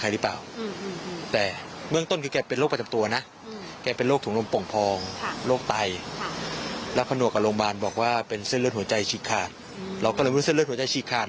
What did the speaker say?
เราก็เลยรู้สึกว่าที่เรื่องจะฉีกขาด